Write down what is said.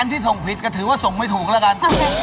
ที่ส่งผิดก็ถือว่าส่งไม่ถูกแล้วกัน